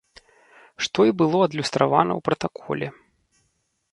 Што й было адлюстравана ў пратаколе.